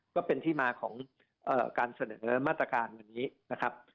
ก็เป็นที่มาของการเสนอมาตรการวันนี้นะครับ